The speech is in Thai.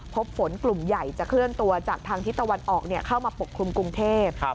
พบฝนกลุ่มใหญ่จะเคลื่อนตัวจากทางทิศตะวันออกเข้ามาปกคลุมกรุงเทพ